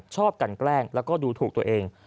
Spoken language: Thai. ชอบกันแกล้งแล้วก็ดูถูกตัวเอง